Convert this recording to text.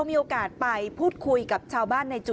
มีโอกาสไปพูดคุยกับชาวบ้านในสถานที่